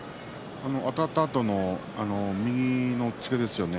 あたったあと右の押っつけですね。